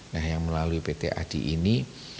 nah yang melalui pt adi ini